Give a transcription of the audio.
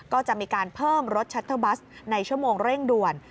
ก็จะมีการเพิ่มรถชัตเตอร์บัสในชั่วโมงเร่งด่วน